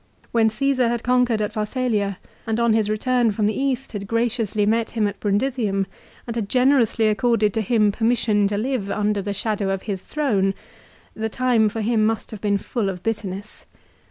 When Caesar had conquered at Pharsalia, and on his return from the East had graciously met him at Brundisium and had generously accorded to him permission to live under the shadow of his throne, the time for him must have been full of bitterness.